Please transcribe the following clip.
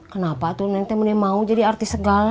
kenapa tuh neng temennya mau jadi artis segala